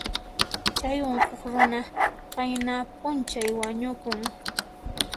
Chay unquq runa qayna p'unchay wañukun.